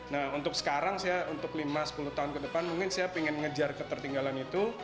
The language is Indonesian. nah untuk sekarang saya untuk lima sepuluh tahun ke depan mungkin saya ingin ngejar ketertinggalan itu